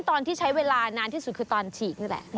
ตอนที่ใช้เวลานานที่สุดคือตอนฉีกนี่แหละ